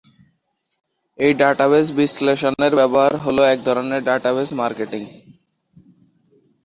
এই ডাটাবেস বিশ্লেষণের ব্যবহার হল এক ধরনের ডাটাবেস মার্কেটিং।